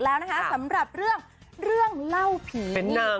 แล้วนะคะสำหรับเรื่องเรื่องเล่าผี